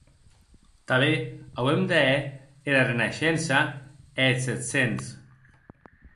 Tanben auem de hèr era renaishença e eth sèt cents.